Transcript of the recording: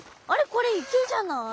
これ池じゃない？わ！